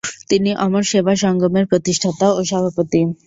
তিনি অমর সেবা সঙ্গমের প্রতিষ্ঠাতা ও সভাপতি।